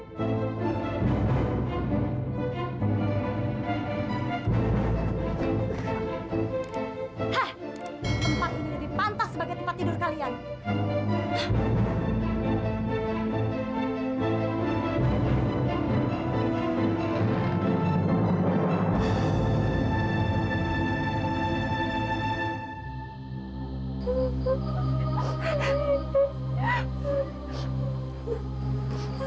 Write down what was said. tempat ini lebih pantas sebagai tempat tidur kalian